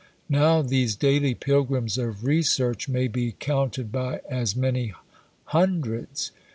Now these daily pilgrims of research may be counted by as many hundreds.